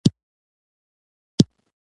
ماته ډېر جالبه دی.